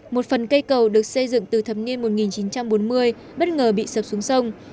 một phần cây cầu được xây dựng từ thập niên một nghìn chín trăm bốn mươi bất ngờ bị sập xuống sông